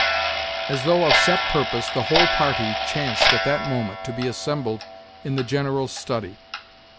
As though of set purpose, the whole party chanced at that moment to be assembled in the General's study.